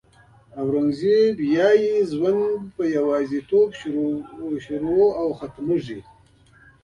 اورنګزېب وایي ژوند په یوازېتوب شروع او ختمېږي.